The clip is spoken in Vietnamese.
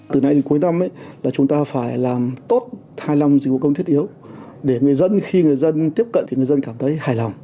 từ nay đến cuối năm chúng ta phải làm tốt thai lòng dịch vụ công trực tuyến để khi người dân tiếp cận thì người dân cảm thấy hài lòng